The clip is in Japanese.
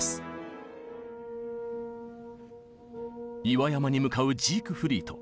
岩山に向かうジークフリート。